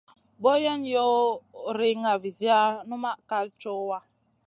Boyen yoh riŋa viziya, numaʼ kal cowa.